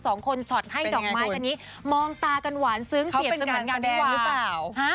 สองคนช็อตให้ดอกไม้กันนี้มองตากันหวานซึ้งเปรียบเสมือนงานทุกวันหรือเปล่า